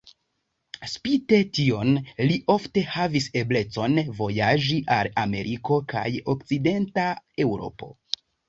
Spite tion, li ofte havis eblecon vojaĝi al Ameriko kaj Okcidenta Eŭropo.